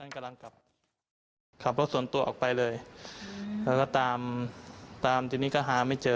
กำลังกลับขับรถส่วนตัวออกไปเลยแล้วก็ตามตามทีนี้ก็หาไม่เจอ